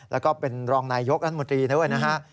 แล้วก็เป็นรองนายยกนัฐมนตรีนะครับ